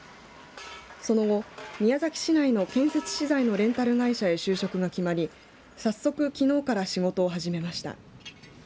その後、宮崎市内の建設資材のレンタル会社へ就職が決まり早速きのうから仕事を始めました。